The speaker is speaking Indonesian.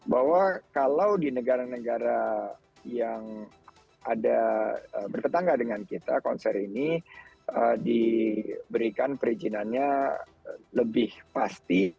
bahwa kalau di negara negara yang ada bertetangga dengan kita konser ini diberikan perizinannya lebih pasti